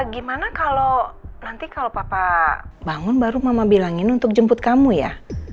gimana kalau nanti kalau papa bangun baru mama bilangin untuk jemput kamu ya